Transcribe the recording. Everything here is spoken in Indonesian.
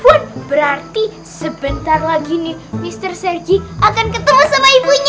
wah berarti sebentar lagi nih mr saji akan ketemu sama ibunya